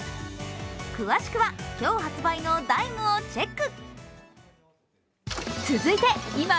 詳しくは今日発売の「ＤＩＭＥ」をチェック！